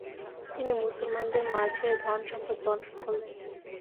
তিনি মুসলমানদের মাঝে ধন সম্পদ বন্টন করলেন।